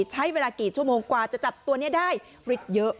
ใช้เวลากี่ชั่วโมงกว่าจะจับตัวนี้ได้ฟิตเยอะ